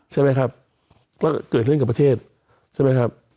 ใช่ไหมครับแล้วก็เกิดเรื่องกับประเทศใช่ไหมครับ